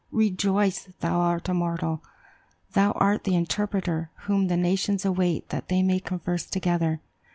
Rejoice, thou art immortal! for thou art the interpreter whom the nations await that they may converse together.